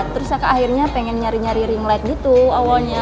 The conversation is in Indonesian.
terus kakak akhirnya pengen nyari nyari ring light gitu awalnya